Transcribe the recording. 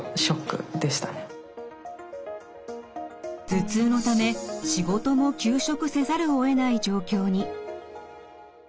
頭痛のため仕事も休職せざるをえない状況に。